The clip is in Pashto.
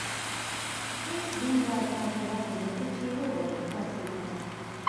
هیڅ زوم به دا جرئت ونکړي چې ووايي داسې نه ده.